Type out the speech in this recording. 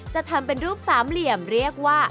จะทำเป็นรูปสามเหลี่ยมเรียกว่า